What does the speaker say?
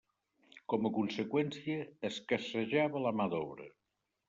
Com a conseqüència, escassejava la mà d'obra.